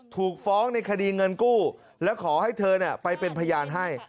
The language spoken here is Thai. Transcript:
ถูกฟ้องในคดีเงินกู้และขอให้เธอไปเป็นพยานให้